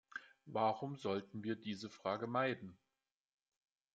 Warum sollten wir diese Frage meiden?